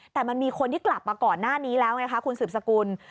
แต่มันมีคนที่กลับมาก่อนหน้านี้แล้วไงคะคุณสืบสกุล